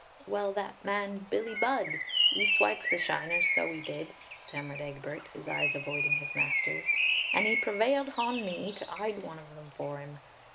"Well, that man Billie Budd, 'e swiped the shiners, so 'e did," stammered Egbert, his eyes avoiding his master's, "and 'e prevailed hon me to 'ide one of them for 'im.